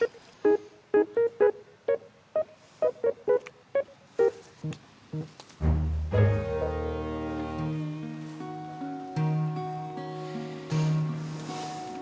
benci sama oguh